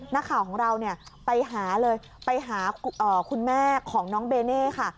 นักข่าวของเราเนี่ยไปหาเลยไปหาคุณแม่ของน้องเบเน่ค่ะ